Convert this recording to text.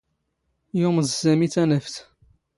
ⵢⵓⵎⵥ ⵙⴰⵎⵉ ⵜⴰⵏⴰⴼⵜ.